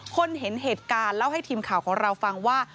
คนเห็นเหตุการณ์เล่าให้ทีมข่าวของเราฟังว่า